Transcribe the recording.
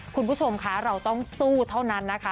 คุณผู้ชมคะเราต้องสู้เท่านั้นนะคะ